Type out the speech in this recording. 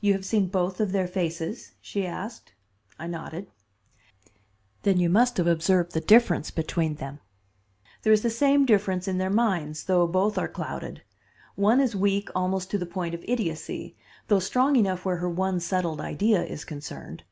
"You have seen both of their faces?" she asked. I nodded. "Then you must have observed the difference between them. There is the same difference in their minds, though both are clouded. One is weak almost to the point of idiocy, though strong enough where her one settled idea is concerned.